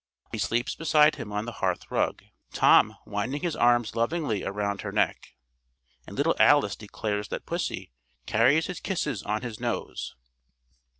She sleeps beside him on the hearth rug, Tom winding his arms lovingly around her neck, and little Alice declares that pussy "carries his kisses on his nose."